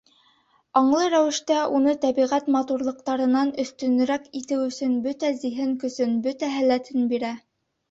Аңлы рәүештә уны тәбиғәт матурлыҡтарынан өҫтөнөрәк итеү өсөн бөтә зиһен көсөн, бөтә һәләтен бирә.